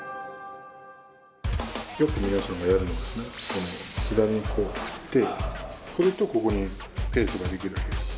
よく皆さんがやるのが左にこう振って振ると、ここにスペースができるわけです。